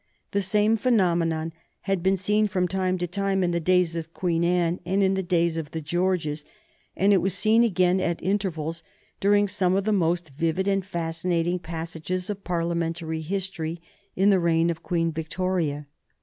The same phenomenon had been seen, from time to time, in the days of Queen Anne and in the days of the Georges; and it was seen again, at intervals, during some of the most vivid and fascinating passages of Parliamentary history in the reign of Queen Victoria.